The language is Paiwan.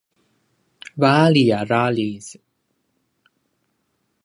vali a raljiz